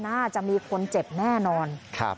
น่าจะมีคนเจ็บแน่นอน